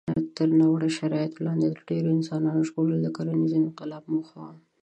تر ناوړه شرایطو لاندې د ډېرو انسان ژغورل د کرنيز انقلاب موخه وه.